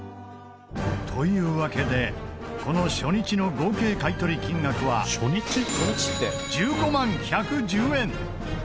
というわけでこの初日の合計買い取り金額は１５万１１０円。